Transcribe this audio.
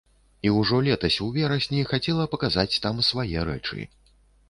І ўжо летась ў верасні хацела паказаць там свае рэчы.